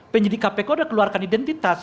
penyidik kpk sudah keluarkan identitas